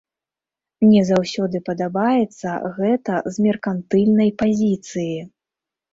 Мне заўсёды падабаецца гэта з меркантыльнай пазіцыі.